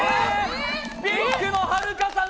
ピンクのはるかさん